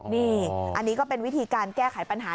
นี่อันนี้ก็เป็นวิธีการแก้ไขปัญหา